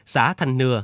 xã thanh nừa